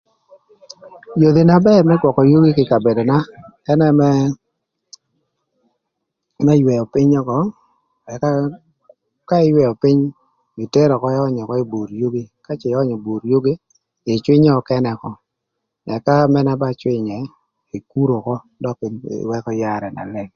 Yodhi na bër më gwökö yugi kï ï kabedona ënë më ywëö pïny ökö ëka ka ïywëö pïny, itero ökö ïönyö ökö ï bur yugi ka cë ïönyö ï bur yugi, dong ïcwïnyo nökënë ökö ëka ka mën na ba cwïnyë, ikuro ökö dökï ïwëkö yarë na leng.